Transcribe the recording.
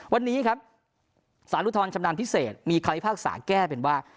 วันนี้ครับสารอุทรชำนาญพิเศษมีคำพิพากษาแก้เป็นว่า